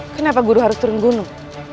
kenapa guru harus turun gunung